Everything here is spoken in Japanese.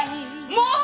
もう？